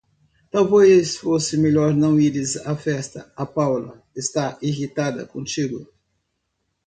Talvez fosse melhor não ires à festa. A Paula está irritada contigo.